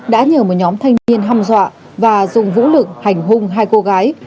đã nhờ một nhóm thanh niên hăm dọa và dùng vũ lực hành hung hai cô gái